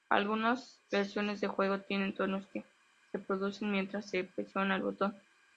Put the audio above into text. Algunas versiones del juego tienen tonos que se reproducen mientras se presiona el botón.